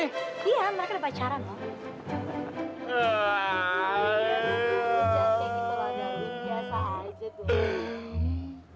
iya mereka udah pacaran dong